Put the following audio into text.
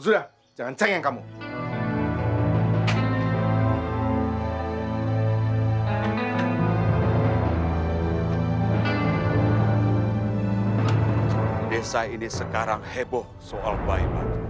desa ini sekarang heboh soal bayi mati